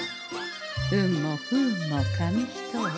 運も不運も紙一重。